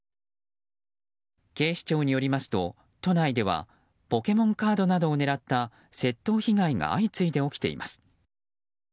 警視庁によりますと都内ではポケモンカードなどを狙った窃盗被害が相次いで起きています。